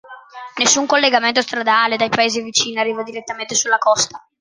Nessun collegamento stradale dai paesi vicini arriva direttamente sulla costa.